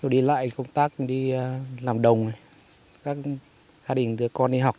đi lại công tác đi làm đồng các gia đình đưa con đi học